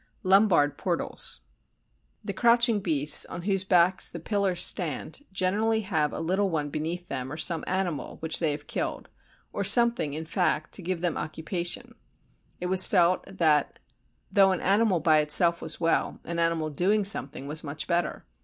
Lombard Portals The crouching beasts, on whose backs the pillars stand, generally have a little one beneath them or some animal which they have killed, or something, in fact, to give them occupation; it was felt that, though an animal by itself was well, an animal doing something was much better.